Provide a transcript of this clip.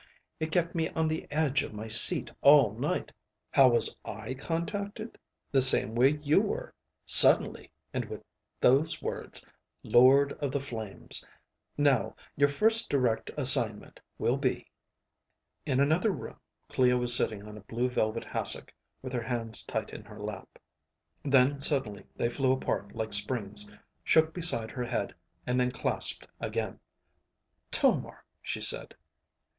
It kept me on the edge of my seat all night. How was I contacted? The same way you were, suddenly, and with those words: Lord of the Flames. Now, your first direct assignment will be ..."In another room, Clea was sitting on a blue velvet hassock with her hands tight in her lap. Then suddenly they flew apart like springs, shook beside her head, and then clasped again. "Tomar," she said.